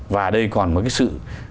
và đây còn một cái sự